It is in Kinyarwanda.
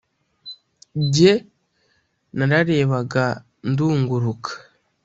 jye nararebaga ndunguruka,